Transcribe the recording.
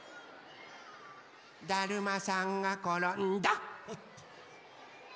だるまさんがころんだ！